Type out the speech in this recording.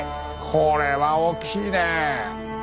これは大きいね！